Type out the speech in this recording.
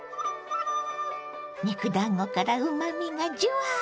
肉だんごからうまみがジュワー！